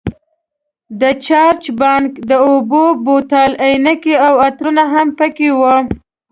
د چارج بانک، د اوبو بوتل، عینکې او عطرونه هم پکې وو.